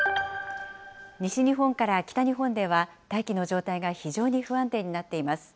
西日本から北日本では大気の状態が非常に不安定になっています。